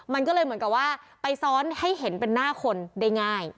มันก็เลยเหมือนกับว่าไปซ้อนให้เห็นเป็นหน้าคนได้ง่าย